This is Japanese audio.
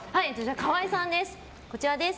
川合さんです。